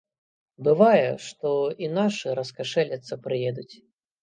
Бывае, што і нашы раскашэліцца прыедуць.